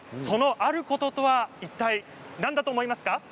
そのあることとはいったい何だと思いますか？